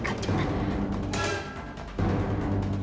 kayaknya rasanya rupees